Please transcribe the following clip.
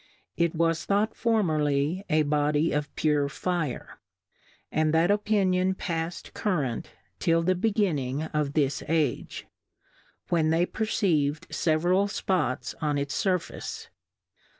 It was thought formerly a Body of pure Fire, and that Opinion pafs'd currant till the beginning of this Age ; when they perceivM feveral Spots on its Sur face.